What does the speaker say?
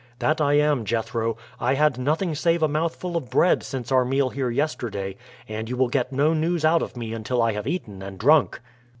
"That I am, Jethro. I had nothing save a mouthful of bread since our meal here yesterday; and you will get no news out of me until I have eaten and drunk."